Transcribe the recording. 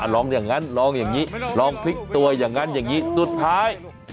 ลองอย่างนั้นลองอย่างนี้ลองพลิกตัวอย่างนั้นอย่างนี้สุดท้าย